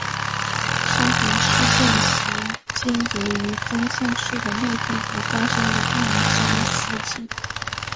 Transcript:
山田事件其间由于宗像氏的内纷而发生的暗杀事件。